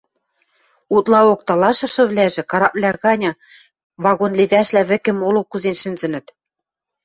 Утлаок талашышывлӓжӹ караквлӓ ганьы вагон левӓшвлӓ вӹкӹ мол кузен шӹнзӹнӹт